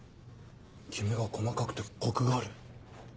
きめが細かくてコクがある。